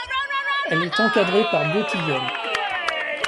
Elle est encadrée par deux tilleuls.